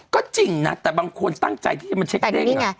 ก็จริงนะแต่บางคนตั้งใจที่จะมาเช็คเด้งอะแต่นี่ไง